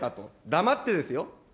黙ってですよ。